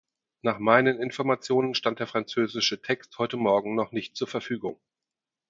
Nach meinen Informationen stand der französische Text heute morgen noch nicht zur Verfügung.